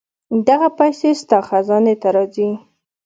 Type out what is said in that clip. دغه پېسې ستا خزانې ته راځي.